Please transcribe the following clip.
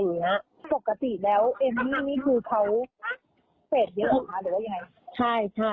ปกติแล้วเอมี่นี่คือเขาเฟสเดียวหรือเปล่าค่ะ